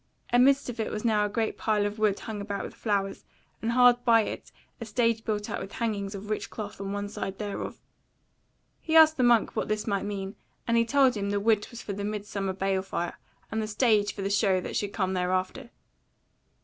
Amidst of it was now a great pile of wood hung about with flowers, and hard by it a stage built up with hangings of rich cloth on one side thereof. He asked the monk what this might mean, and he told him the wood was for the Midsummer bale fire, and the stage for the show that should come thereafter.